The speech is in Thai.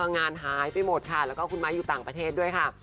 งานหายไปหมดค่ะแล้วก็คุณไม้อยู่ต่างประเทศด้วยค่ะ